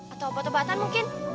atau buat obatan mungkin